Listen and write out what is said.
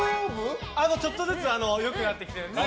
ちょっとずつ良くなってきて。